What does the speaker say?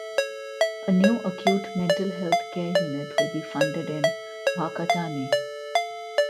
A new acute mental health care unit will be funded in Whakatane.